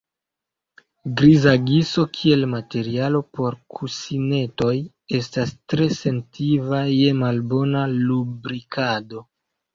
Griza giso kiel materialo por kusinetoj estas tre sentiva je malbona lubrikado.